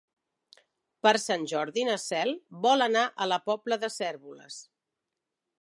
Per Sant Jordi na Cel vol anar a la Pobla de Cérvoles.